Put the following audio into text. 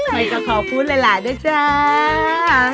ไปก็ขอบคุณละล่ะด้วยจ้า